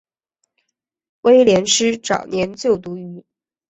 威廉斯早年就读于。